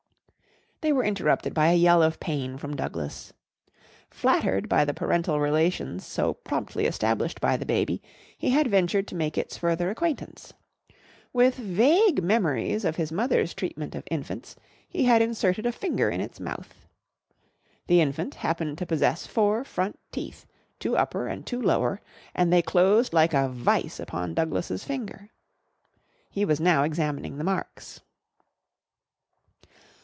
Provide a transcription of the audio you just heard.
They were interrupted by a yell of pain from Douglas. Flattered by the parental relations so promptly established by the baby, he had ventured to make its further acquaintance. With vague memories of his mother's treatment of infants, he had inserted a finger in its mouth. The infant happened to possess four front teeth, two upper and two lower, and they closed like a vice upon Douglas' finger. He was now examining the marks.